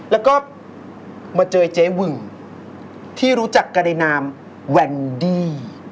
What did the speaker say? แล้วก็มาเจอเจ๊หึงที่รู้จักกันในนามแวนดี้